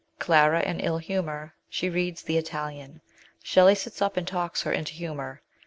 Clara in ill humour. She reads The Italian. Shelley sits up and talks her into humour."